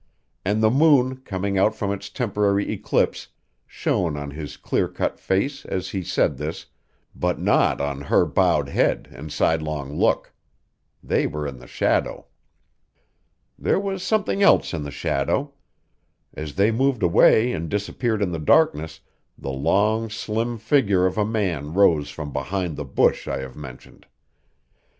And the moon, coming out from its temporary eclipse, shone on his clear cut face as he said this, but not on her bowed head and sidelong look. They were in the shadow. There was something else in the shadow. As they moved away and disappeared in the darkness the long, slim figure of a man rose from behind the bush I have mentioned.